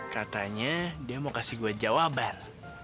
katanya dia mau kasih gue jawaban